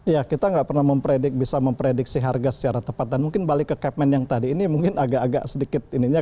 ya kita nggak pernah bisa memprediksi harga secara tepat dan mungkin balik ke capman yang tadi ini mungkin agak agak sedikit ininya